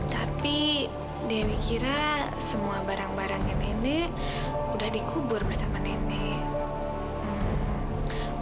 tapi dewi kira semua barang barang ini udah dikubur bersama nenek